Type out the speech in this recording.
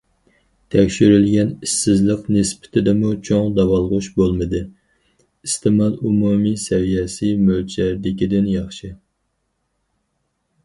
تەكشۈرۈلگەن ئىشسىزلىق نىسبىتىدىمۇ چوڭ داۋالغۇش بولمىدى، ئىستېمال ئومۇمىي سەۋىيەسى مۆلچەردىكىدىن ياخشى.